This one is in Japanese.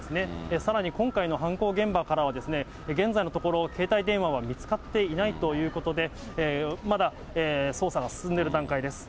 さらに今回の犯行現場からは、現在のところ、携帯電話は見つかっていないということで、まだ捜査が進んでいる段階です。